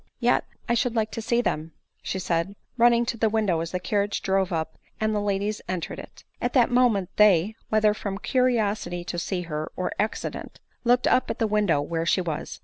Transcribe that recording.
" Yet I should like to see them,' 9 she said, running to the window as the carriage drove up, and the ladies en tered it. At that moment they, whether from curiosity to see her, or accident, looked up at the window where she was.